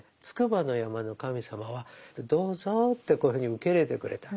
筑波の山の神様は「どうぞ」ってこういうふうに受け入れてくれた。